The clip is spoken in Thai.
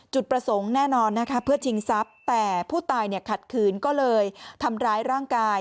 จุดประสงค์แน่นอนนะคะเพื่อชิงทรัพย์แต่ผู้ตายขัดขืนก็เลยทำร้ายร่างกาย